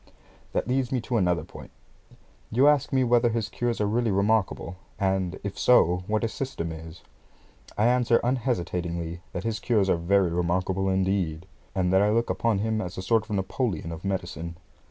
That leads me to another point. You ask me whether his cures are really remarkable, and, if so, what his system is. I answer unhesitatingly, that his cures are very remarkable, indeed, and that I look upon him as a sort of Napoleon of medicine.